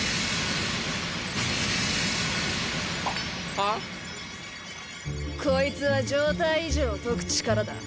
は？こいつは状態異常を解く力だ。